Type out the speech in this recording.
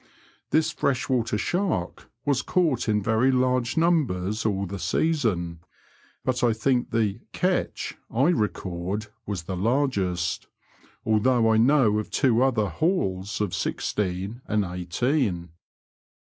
This fresh water shark was caught in very large numbers all the season, but I think the " catch " I record was the largest, although I know of two other "hauls'* of sixteen and eighteen.